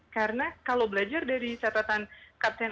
karena kalau belajar dari catatan captain america yang berikutnya